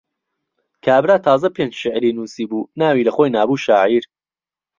کابرا تازە پێنج شیعری نووسی بوو، ناوی لەخۆی نابوو شاعیر.